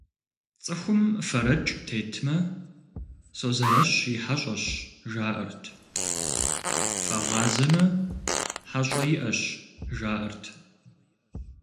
Цӏыхум фэрэкӏ тетмэ, «Созэрэщ и хьэщӏэщ» жаӏэрт, фэгъазэмэ, «хьэщӏэ иӏэщ» - жаӏэрт.